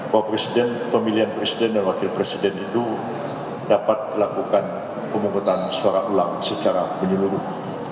bahwa presiden pemilihan presiden dan wakil presiden itu dapat dilakukan pemungutan suara ulang secara menyeluruh